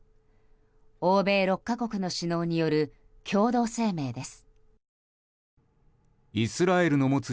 欧米６か国の首脳による共同声明です。